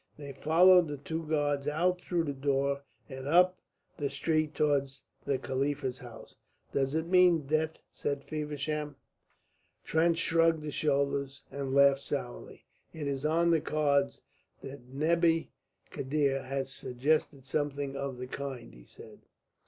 They followed the two guards out through the door and up the street towards the Khalifa's house. "Does it mean death?" said Feversham. Trench shrugged his shoulders and laughed sourly. "It is on the cards that Nebbi Khiddr has suggested something of the kind," he said.